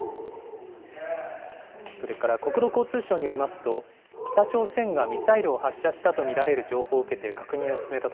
それから国土交通省によりますと、北朝鮮がミサイルを発射したと見られる情報を受けて確認を進めた